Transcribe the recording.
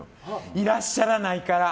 いらっしゃらないから！